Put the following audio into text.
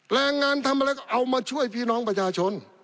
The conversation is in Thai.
แรงงานทำอะไรก็เอามาช่วยพี่น้องประชาชน